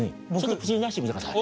口に出してみてください。